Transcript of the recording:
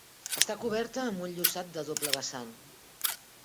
Està coberta amb un llosat de doble vessant.